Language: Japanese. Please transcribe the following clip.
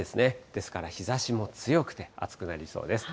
ですから日ざしも強くて、暑くなりそうです。